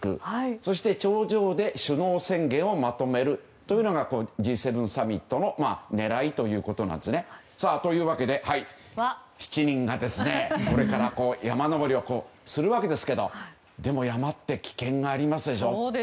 そして、頂上で首脳宣言をまとめるというのがＧ７サミットの狙いということなんですね。ということで７人がこれから山登りをするわけですがでも、山って危険がありますでしょう。